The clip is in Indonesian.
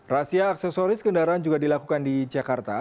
rahasia aksesoris kendaraan juga dilakukan di jakarta